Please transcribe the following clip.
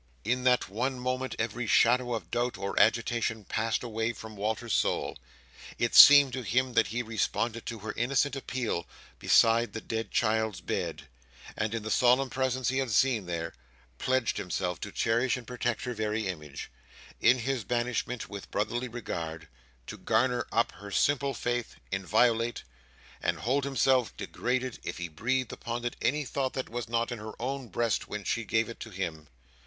In that one moment, every shadow of doubt or agitation passed away from Walter's soul. It seemed to him that he responded to her innocent appeal, beside the dead child's bed: and, in the solemn presence he had seen there, pledged himself to cherish and protect her very image, in his banishment, with brotherly regard; to garner up her simple faith, inviolate; and hold himself degraded if he breathed upon it any thought that was not in her own breast when she gave it to him.